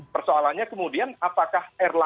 persoalannya kemudian apakah